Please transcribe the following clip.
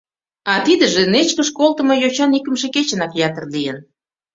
А тидыже нечкыш колтымо йочан икымше кечынак ятыр лийын.